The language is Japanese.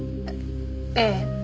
ええ。